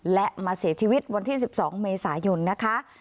และมาเสียชีวิตวันที่๑๒เมษายนนะคะ